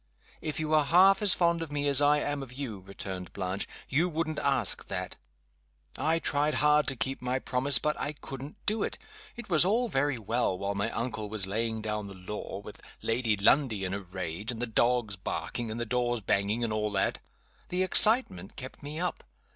"If you were half as fond of me as I am of you," returned Blanche, "you wouldn't ask that. I tried hard to keep my promise, but I couldn't do it. It was all very well, while my uncle was laying down the law with Lady Lundie in a rage, and the dogs barking, and the doors banging, and all that. The excitement kept me up.